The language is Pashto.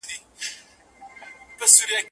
زه څو ځله در څرګند سوم تا لا نه یمه لیدلی